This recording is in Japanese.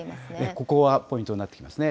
ここはポイントになってきますね。